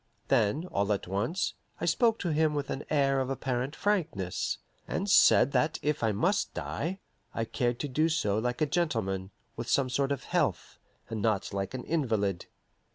Then, all at once, I spoke to him with an air of apparent frankness, and said that if I must die, I cared to do so like a gentleman, with some sort of health, and not like an invalid.